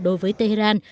đối với tehran